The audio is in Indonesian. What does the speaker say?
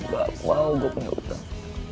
gak mau gua punya utang